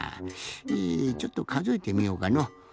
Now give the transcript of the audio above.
えちょっとかぞえてみようかの。